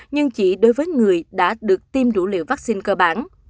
nhưng chỉ đối với người đã được tiêm đủ liều vaccine cơ bản